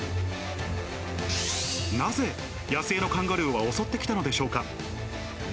なぜ、野生のカンガルーは襲ってきたのでしょうか。